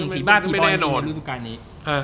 ผีบ้าผีบอยดูทุกการณ์นี้